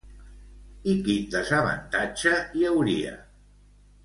I quin desavantatge hi hauria?